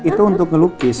itu untuk ngelukis